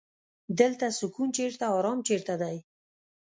دلته سکون چرته ارام چرته دی.